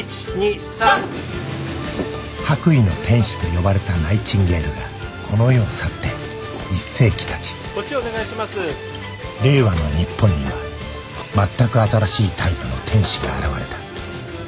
「白衣の天使」と呼ばれたナイチンゲールがこの世を去って１世紀経ち令和の日本にはまったく新しいタイプの天使が現れた